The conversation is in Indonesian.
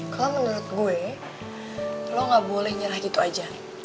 kalau menurut gue lo gak boleh nyerah gitu aja